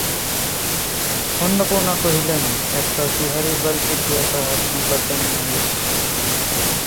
অন্নপূর্ণা কহিলেন, একবার বিহারীর বাড়িতে গিয়া তাহার সংবাদ জানিয়া আইস।